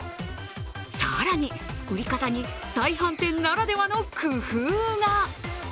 更に、売り方に再販店ならではの工夫が。